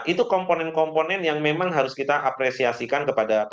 itu komponen komponen yang memang harus kita apresiasikan kepada negara